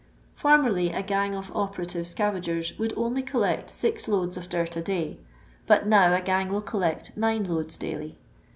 Formerly a gang of operative scavagers would only collect six loads of dirt a day, but now a gang will collect nine loads daily.